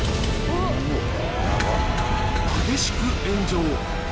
激しく炎上。